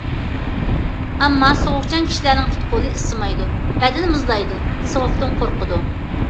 ئەمما سوغۇقچان كىشىلەرنىڭ پۇت- قولى ئىسسىمايدۇ، بەدىنى مۇزلايدۇ، سوغۇقتىن قورقىدۇ.